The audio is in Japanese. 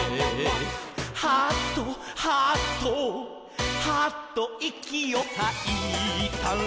「はぁっとはぁっとはぁといきをはいたら」